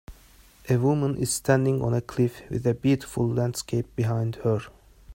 A woman is standing on a cliff with a beautiful landscape behind her.